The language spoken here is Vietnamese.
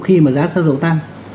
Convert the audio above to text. khi mà giá sang dầu tăng